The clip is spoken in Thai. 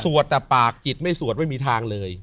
แต่ปากจิตไม่สวดไม่มีทางเลย